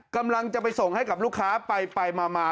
กำลังจะไปส่งให้กับลูกค้าไปมา